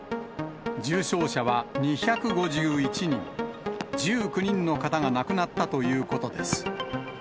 重症者は２５１人、１９人の方が亡くなったということです。